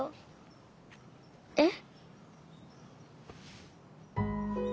えっ？